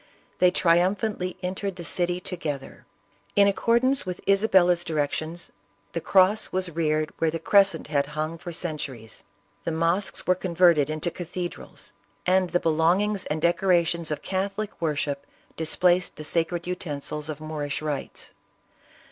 They triumphantly entered the city together. In accordance with Isabella's directions, the cross was reared where the crescent had hung for centuries ; the mosques were converted into cathedrals ; and the belongings and decorations of Catholic worship dis placed the sacred utensils of Moorish rites.